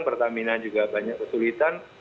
pertamina juga banyak kesulitan